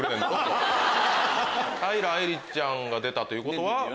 平愛梨ちゃんが出たということは？